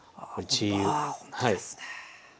わあほんとですね。